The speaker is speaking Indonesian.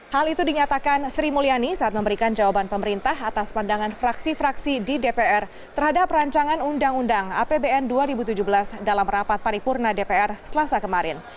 hal itu dinyatakan sri mulyani saat memberikan jawaban pemerintah atas pandangan fraksi fraksi di dpr terhadap rancangan undang undang apbn dua ribu tujuh belas dalam rapat paripurna dpr selasa kemarin